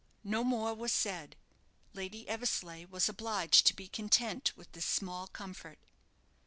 No more was said. Lady Eversleigh was obliged to be content with this small comfort.